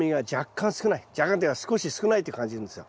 若干というか少し少ないって感じるんですよ。